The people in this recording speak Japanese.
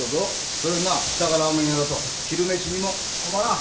それにな下がラーメン屋だと昼飯にも困らん。